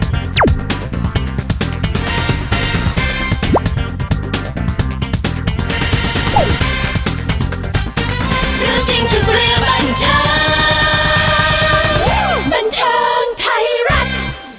โปรดติดตามตอนต่อไป